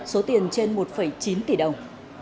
số tiền trên một chín tỷ đồng